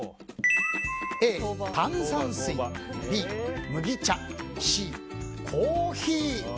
Ａ、炭酸水Ｂ、麦茶Ｃ、コーヒー。